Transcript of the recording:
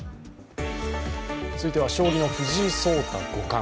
続いては将棋の藤井聡太五冠。